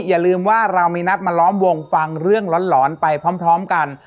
อย่าลืมว่าเรามีนัดมาล้อมวงฟังเรื่องหลอนไปพร้อมกัน